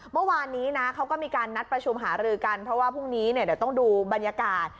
เมื่อวานนี้นะเขาก็มีการนัดประชุมหารือกันเพราะว่าพรุ่งนี้เนี่ยเดี๋ยวต้องดูบรรยากาศ